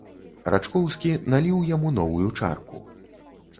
Рачкоўскі наліў яму новую чарку.